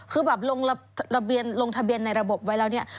คือแบบลงทะเบียนในระบบไว้แล้วเนี่ย